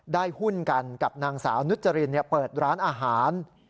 ได้หุ้นกันกับนางสาวนุชจริญเนี่ยเปิดร้านอาหาร